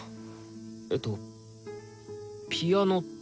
えっとピアノとか？